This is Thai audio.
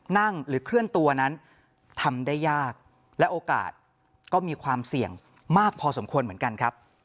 หรือเคลื่อนตัวนั้นทำได้ยากและโอกาสก็มีความเสี่ยงมากพอสมควรเหมือนกันครับ